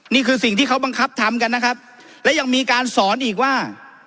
นี่คือสิ่งที่เขาบังคับทำกันนะครับและยังมีการสอนอีกว่า